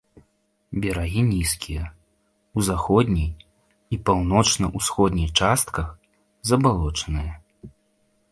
Берагі нізкія, у заходняй і паўночна-ўсходняй частках забалочаныя.